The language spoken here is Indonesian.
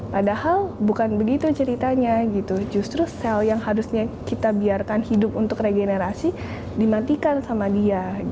padahal bukan begitu ceritanya gitu justru sel yang harusnya kita biarkan hidup untuk regenerasi dimatikan sama dia